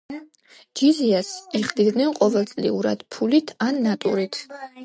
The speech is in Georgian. ჯიზიას იხდიდნენ ყოველწლიურად ფულით ან ნატურით.